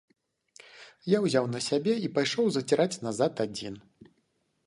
Я ўзяў на сябе і пайшоў заціраць назад адзін.